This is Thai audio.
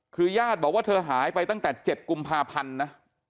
คือญาติบอกว่าเธอหายไปตั้งแต่๗กุมภาพันธ์นะ